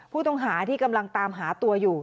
ผู้ต้องหาที่กำลังตามหาตัวอยู่